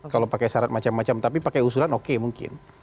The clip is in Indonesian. kalau pakai syarat macam macam tapi pakai usulan oke mungkin